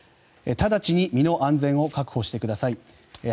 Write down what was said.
直ちに身の安全を確保してください。